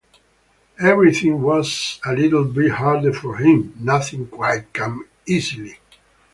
Everything was a little bit harder for him, nothing quite came easily.